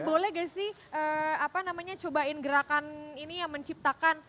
boleh gak sih namanya cobain gerakan ini ya menciptakan